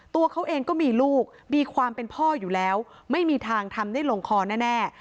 ตัวเขาเองก็มีลูกมีความเป็นพ่ออยู่แล้วไม่มีทางทำได้ลงคอแน่